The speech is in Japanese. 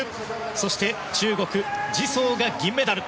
そして中国、ジ・ソウが銀メダル。